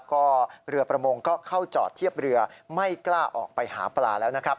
ก็เรือประมงก็เข้าจอดเทียบเรือไม่กล้าออกไปหาปลาแล้วนะครับ